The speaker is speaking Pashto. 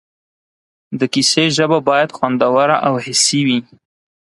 د کیسې ژبه باید خوندوره او حسي وي.